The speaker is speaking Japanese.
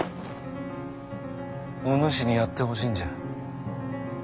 お主にやってほしいんじゃ。